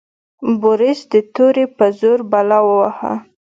بوریس د تورې په زور بلا وواهه.